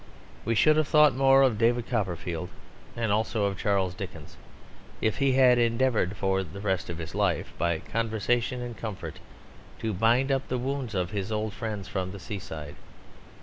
We should have thought more of David Copperfield (and also of Charles Dickens) if he had endeavoured for the rest of his life, by conversation and comfort, to bind up the wounds of his old friends from the seaside.